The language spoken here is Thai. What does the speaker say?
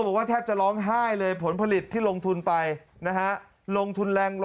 บอกว่าแทบจะร้องไห้เลยผลผลิตที่ลงทุนไปนะฮะลงทุนแรง๑๐๐